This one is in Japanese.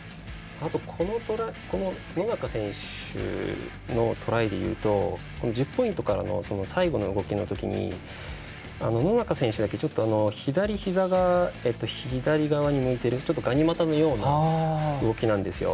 野中選手のトライで言うと１０ポイントからの最後の動きの時に野中選手だけ、ちょっと左ひざがちょっと左側に向いてるがに股のような動きなんですよ。